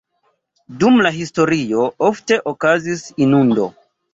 Dum la historio ofte okazis inundo.